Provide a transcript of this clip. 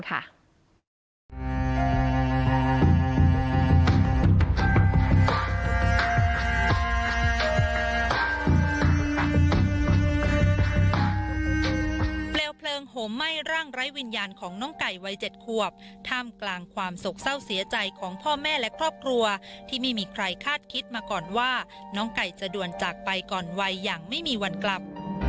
เพลงโหลเพลิงโหมไหม้ร่างไร้วิญญาณของน้องไก่วัย๗ขวบท่ามกลางความโศกเศร้าเสียใจของพ่อแม่และครอบครัวที่ไม่มีใครคาดคิดมาก่อนว่าน้องไก่จะด่วนจากไปก่อนวัยอย่างไม่มีวันกลับ